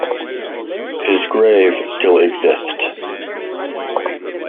His grave still exists.